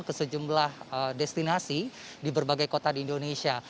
ke sejumlah destinasi di berbagai kota di indonesia